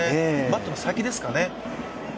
バットの先ですかね。